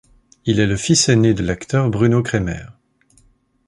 Il est le fils aîné de l'acteur Bruno Cremer.